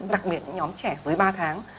đặc biệt những nhóm trẻ dưới ba tháng